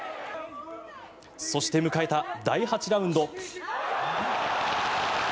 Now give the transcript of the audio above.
そして、迎えた第８ラウンド。